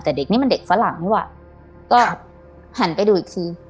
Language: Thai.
แต่เด็กนี่มันเด็กฝรั่งว่ะก็หันไปดูอีกที